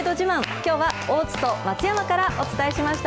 きょうは大津と松山からお伝えしました。